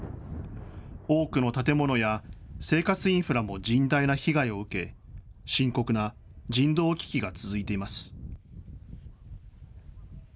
多くの建物や、生活インフラも甚大な被害を受け、深刻な人道危機が続いています。